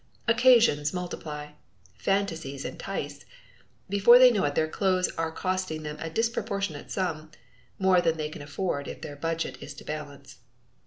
Occasions multiply. Fantasies entice. Before they know it their clothes are costing them a disproportionate sum more than they can afford if their budget is to balance.